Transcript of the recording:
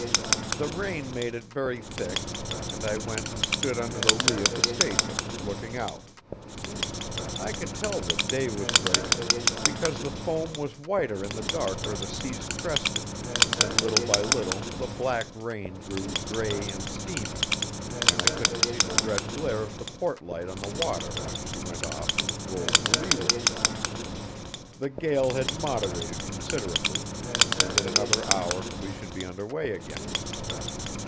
The rain made it very thick, and I went and stood under the lee of the staysail, looking out. I could tell that day was breaking, because the foam was whiter in the dark where the seas crested, and little by little the black rain grew grey and steamy, and I couldn't see the red glare of the port light on the water when she went off and rolled to leeward. The gale had moderated considerably, and in another hour we should be under way again.